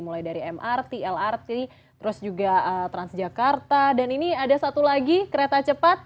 mulai dari mrt lrt terus juga transjakarta dan ini ada satu lagi kereta cepat